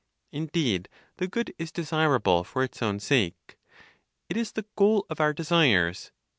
Indeed, the Good is desirable for its own sake; it is the goal of our desires.